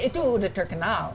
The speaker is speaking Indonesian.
itu sudah terkenal